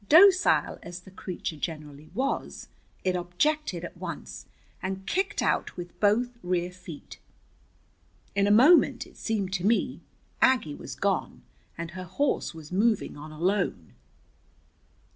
Docile as the creature generally was, it objected at once, and kicked out with both rear feet. In a moment, it seemed to me, Aggie was gone, and her horse was moving on alone.